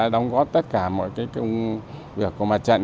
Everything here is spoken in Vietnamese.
đóng góp tất cả mọi việc của mặt trận